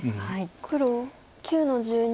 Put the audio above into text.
黒９の十二。